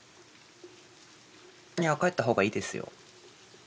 いや帰ったほうがいいですよ。